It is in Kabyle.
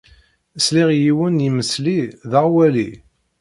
Sliɣ i yiwen n yimesli d aɣwali.